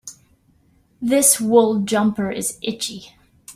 This wool jumper is itchy.